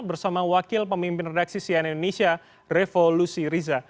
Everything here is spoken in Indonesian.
bersama wakil pemimpin redaksi sian indonesia revo lusi riza